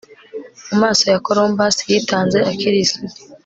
mu maso ya columbus yitanze akiri isugi